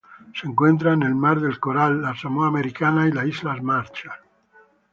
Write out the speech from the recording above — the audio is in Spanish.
Se encuentra en el Mar del Coral, la Samoa Americana y Islas Marshall.